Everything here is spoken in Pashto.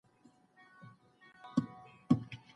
ایا تاسو به هغوی ته خپله لاره پرېږدئ؟